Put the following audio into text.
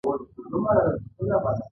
د لوستونکو د پوره فهم وړ وګرځي.